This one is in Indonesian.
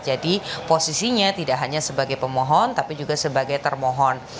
jadi posisinya tidak hanya sebagai pemohon tapi juga sebagai termohon